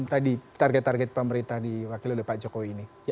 tadi target target pemerintah diwakili oleh pak jokowi ini